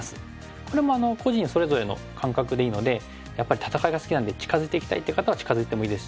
これも個人それぞれの感覚でいいのでやっぱり戦いが好きなんで近づいていきたいって方は近づいてもいいですし。